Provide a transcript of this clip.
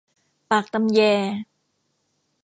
ปากตำแย